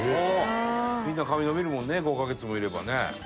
みんな髪伸びるもんね５カ月もいればね。